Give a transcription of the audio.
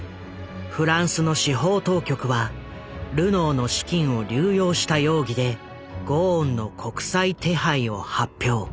フランスの司法当局はルノーの資金を流用した容疑でゴーンの国際手配を発表。